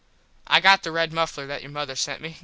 I got the red muffler that your mother sent me.